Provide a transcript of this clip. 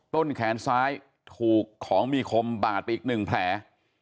ต้นแขนซ้ายถูกของมีคมบาดไปอีก๑แผล